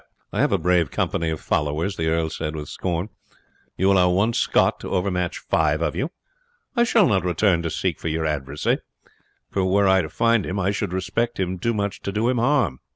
"I have a brave company of followers!" the earl said with scorn. "You allow one Scot to overmatch five of you! I shall not return to seek for your adversary; for were I to find him I should respect him too much to do him harm."